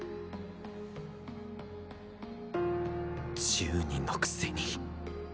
１０人のくせに